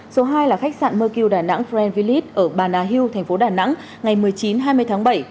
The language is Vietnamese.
số hai là khách sạn mơ kiêu đà nẵng friend village ở bana hill tp đà nẵng ngày một mươi chín hai mươi tháng bảy